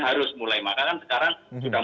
harus mulai maka kan sekarang sudah